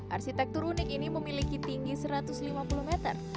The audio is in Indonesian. arsitektur unik ini memiliki tinggi satu ratus lima puluh meter